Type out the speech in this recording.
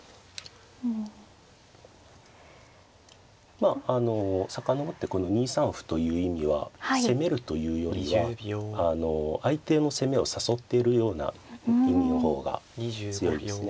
まああの遡ってこの２三歩という意味は攻めるというよりはあの相手の攻めを誘ってるような意味の方が強いですね。